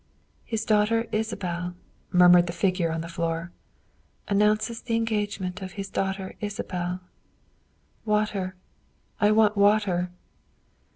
" His daughter Isabel," murmured the figure on the floor, " announces the engagement of his daughter Isabel water ! I want water